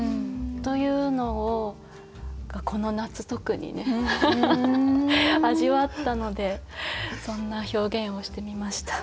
というのをこの夏特にね味わったのでそんな表現をしてみました。